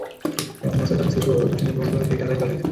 এখন ওয়াসার কারণে সৃষ্ট দূষণে প্রমাণিত হলো, সেই টাকা জলেই গেছে।